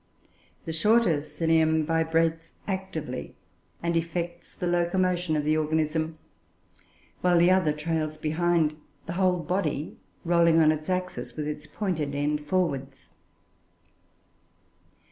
The shorter cilium vibrates actively, and effects the locomotion of the organism, while the other trails behind; the whole body rolling on its axis with its pointed end forwards.